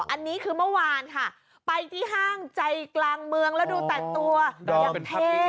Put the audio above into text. อันนี้คือเมื่อวานค่ะไปที่ห้างใจกลางเมืองแล้วดูแต่งตัวยังเท่